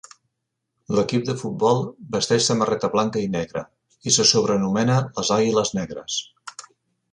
L'equip de futbol vesteix samarreta blanca i negra i se sobrenomena les Àguiles Negres.